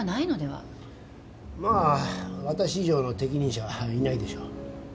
まあ私以上の適任者はいないでしょう。